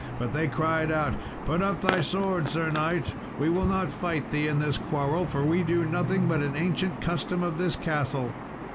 But they cried out, "Put up thy sword, Sir knight, we will not fight thee in this quarrel, for we do nothing but an ancient custom of this castle."